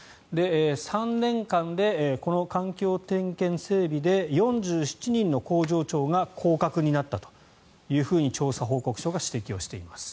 ３年間で、この環境整備点検で４７人の工場長が降格になったと調査報告書が指摘をしています。